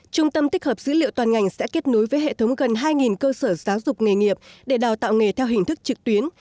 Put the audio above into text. trung tâm tích hợp dữ liệu toàn ngành sẽ kết nối với hệ thống gần hai cơ sở giáo dục nghề nghiệp để đào tạo nghề theo hình thức trực tuyến